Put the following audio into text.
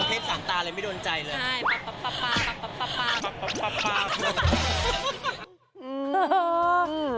อันนี้ก็ไม่เข้าใจอย่างเงี้ย